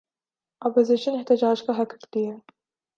Opposition احتجاج کا حق رکھتی ہے۔